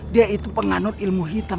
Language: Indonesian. dia itu penganut ilmu hitam